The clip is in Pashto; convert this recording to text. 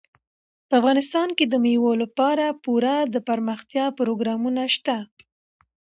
افغانستان کې د مېوو لپاره پوره دپرمختیا پروګرامونه شته دي.